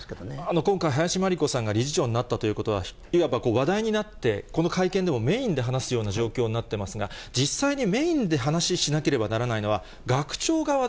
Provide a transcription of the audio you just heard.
今回、林真理子さんが理事長になったということは、いわば話題になって、この会見でもメインで話すような状況になってますが、実際にメインで話しなければならないのは、学長側だと。